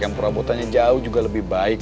yang perabotannya jauh juga lebih baik